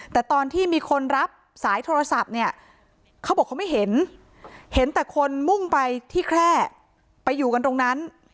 แต่ตอนที่มีคนรับสายโทรศัพท์เนี่ยเขาบอกเขาไม่เห็นเห็นแต่คนมุ่งไปที่แคร่ไปอยู่กันตรงนั้น